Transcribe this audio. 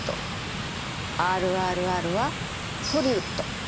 「ＲＲＲ」はトリウッド。